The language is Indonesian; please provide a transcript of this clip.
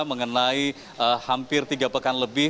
mengenai hampir tiga pekan lebih